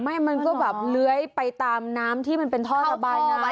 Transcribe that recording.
ไม่มันก็แบบเลื้อยไปตามน้ำที่มันเป็นท่อระบายน้ำ